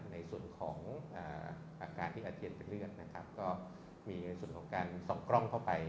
ในส่วนของอาการที่อาเจียนเป็นเรื่องนะครับก็มีในส่วนของการส่องกล้องเข้าไป